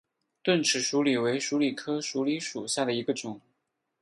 钝齿鼠李为鼠李科鼠李属下的一个种。